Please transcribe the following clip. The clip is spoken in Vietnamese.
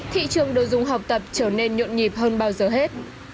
thị trường đồ dùng học tập trở nên nhộn nhịp hơn bao giờ hết